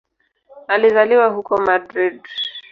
Alizaliwa huko Madrid.